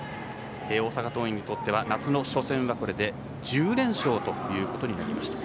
大阪桐蔭にとっては夏の初戦はこれで１０連勝となりました。